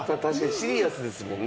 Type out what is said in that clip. シリアスですもんね。